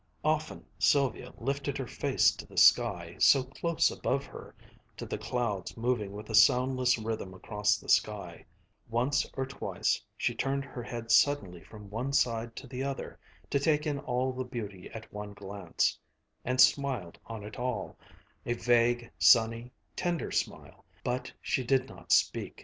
Often Sylvia lifted her face to the sky, so close above her, to the clouds moving with a soundless rhythm across the sky; once or twice she turned her head suddenly from one side to the other, to take in all the beauty at one glance, and smiled on it all, a vague, sunny, tender smile. But she did not speak.